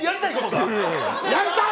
なりたい！